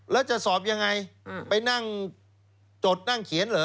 แล้วจะสอบยังไงไปนั่งจดนั่งเขียนเหรอ